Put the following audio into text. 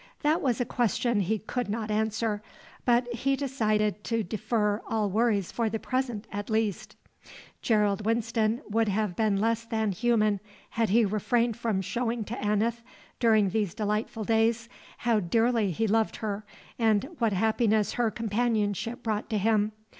That was a question he could not answer, but he decided to defer all worries for the present at least. Gerald Winston would have been less than human had he refrained from showing to Aneth, during these delightful days, how dearly he loved her and what happiness her companionship brought to him.